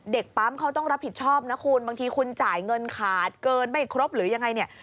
เด็กปั๊มเขาต้องรับผิดชอบนะคุณบางทีคุณจ่ายเงินขาดเกินไม่ครบหรือยังไงเนี่ย